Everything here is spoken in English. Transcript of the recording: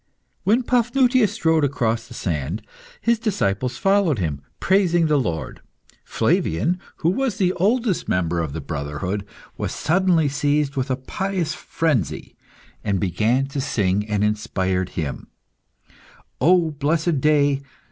When Paphnutius strode across the sand, his disciples followed him, praising the Lord. Flavian, who was the oldest member of the brotherhood, was suddenly seized with a pious frenzy and began to sing an inspired hymn "O blessed day!